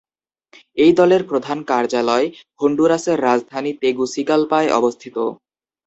এই দলের প্রধান কার্যালয় হন্ডুরাসের রাজধানী তেগুসিগালপায় অবস্থিত।